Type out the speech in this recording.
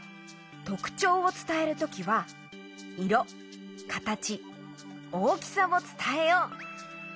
とくちょうをつたえるときはいろかたち大きさをつたえよう。